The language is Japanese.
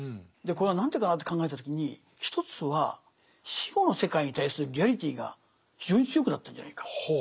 これは何でかなって考えた時に一つは死後の世界に対するリアリティーが非常に強くなったんじゃないか。